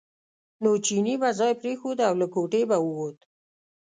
نو چیني به ځای پرېښود او له کوټې به ووت.